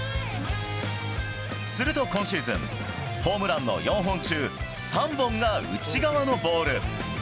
すると今シーズン、ホームランの４本中、３本が内側のボール。